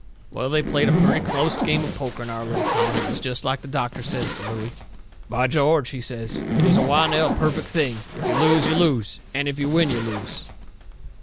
Well, they played a purty closte game of poker in our little town. It was jest like the doctor says to Looey: "By George," he says, "it is a well nigh perfect thing. If you lose you lose, and if you win you lose."